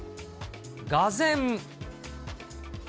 がぜん。